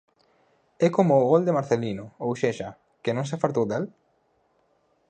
É como o gol de Marcelino Ou sexa, que non se fartou del?